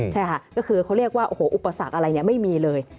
ใช่ค่ะก็คือเขาเรียกว่าโอ้โหอุปสรรคอะไรไม่มีเลย